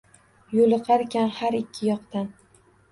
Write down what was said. Yog’ilarkan har ikki yoqdan